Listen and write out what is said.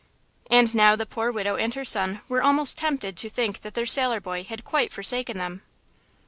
And now the poor widow and her son were almost tempted to think that their sailor boy had quite forsaken them.